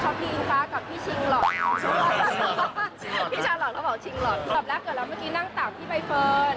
ถอบรักเกิดแล้วเมื่อกี้นั่งตามพี่ใบเฟิร์น